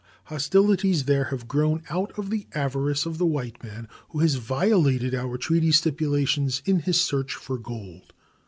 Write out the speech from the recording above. Hostilities there have grown out of the avarice of the white man, who has violated our treaty stipulations in his search for gold.